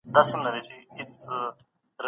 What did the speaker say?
چیرته کولای سو سوداګري په سمه توګه مدیریت کړو؟